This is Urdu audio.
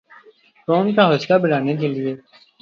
قوم کا حوصلہ بڑھانے کیلئے